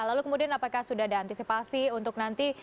lalu kemudian apakah sudah ada antisipasi untuk nanti